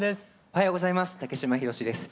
おはようございます。